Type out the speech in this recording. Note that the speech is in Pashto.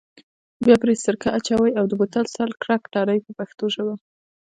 بیا پرې سرکه اچوئ او د بوتل سر کلک تړئ په پښتو ژبه.